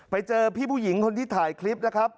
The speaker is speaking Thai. ไปเจอพี่ผู้หญิงคนที่ถ่ายคลิปนะครับ